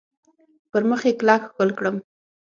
پر مخ یې کلک ښکل کړم .